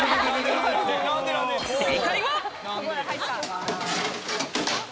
正解は。